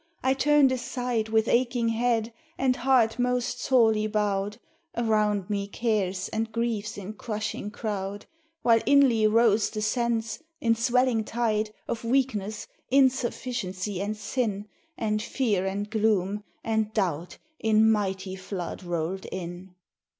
I turned aside With aching head, and heart most sorely bowed; Around me cares and griefs in crushing crowd. While inly rose the sense, in swelling tide, Of weakness, insufficiency, and sin, And fear, and gloom, and doubt in mighty flood rolled in.